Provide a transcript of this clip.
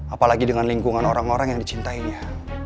apalagi dengan lingkungan orang orang yang dicintainya